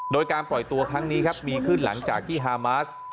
โดยการปล่อยตัวครั้งนี้ครับมีขึ้นหลังจากที่ฮามาส